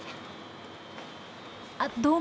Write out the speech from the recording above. あっどうも。